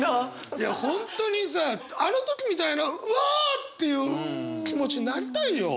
いや本当にさあの時みたいなうわあっていう気持ちなりたいよ！